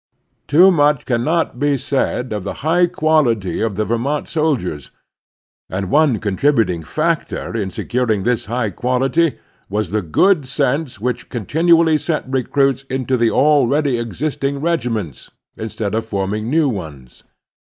Too much cannot be said of the high quality of the Vermont soldiers ; and one contributing factor in securing this high quality was the good sense which continually sent recruits into the already existing regiments instead of forming new ones.